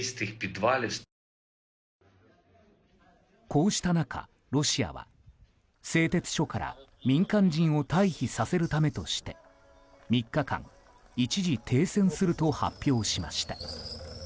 こうした中、ロシアは製鉄所から民間人を退避させるためとして３日間、一時停戦すると発表しました。